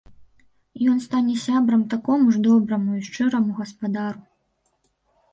Ён стане сябрам такому ж добраму і шчыраму гаспадару.